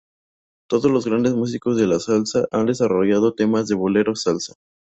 Todos los grandes músicos de la salsa han desarrollado temas de Boleros Salsa.